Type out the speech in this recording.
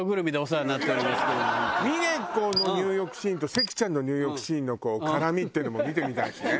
峰子の入浴シーンと関ちゃんの入浴シーンの絡みっていうのも見てみたいしね。